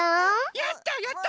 やったやった！